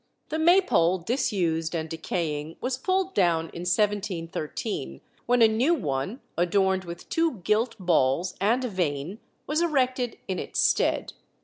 The Maypole, disused and decaying, was pulled down in 1713, when a new one, adorned with two gilt balls and a vane, was erected in its stead.